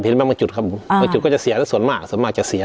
บางจุดครับผมบางจุดก็จะเสียแล้วส่วนมากส่วนมากจะเสีย